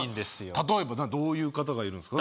例えばどういう方がいるんですか？